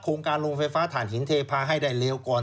การโรงไฟฟ้าฐานหินเทพาให้ได้เร็วก่อน